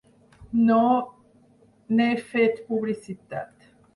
No n’he fet publicitat.